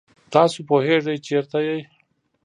تاسو پوهېږئ چېرته یئ؟